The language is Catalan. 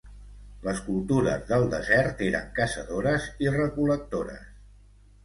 Les cultures del desert eren caçadores i recol·lectores.